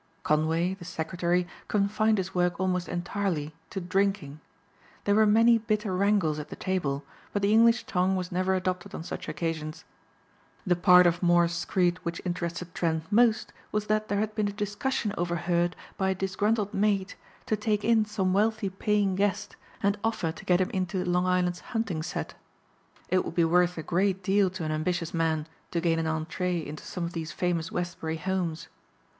Conway, the secretary, confined his work almost entirely to drinking. There were many bitter wrangles at the table but the English tongue was never adopted on such occasions. The part of Moor's screed which interested Trent most was that there had been a discussion overheard by a disgruntled maid to take in some wealthy paying guest and offer to get him into Long Island's hunting set. It would be worth a great deal to an ambitious man to gain an entrée into some of these famous Westbury homes.